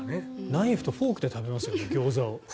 ナイフとフォークで食べますよ、ギョーザを。